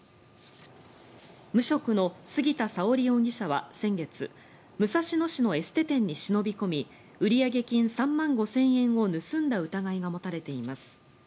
無職の杉田沙織容疑者は先月武蔵野市のエステ店に忍び込み売上金３万５０００円を盗んだ疑いが持たれています。